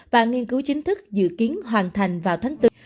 và nghiên cứu chính thức dự kiến hoàn thành vào tháng bốn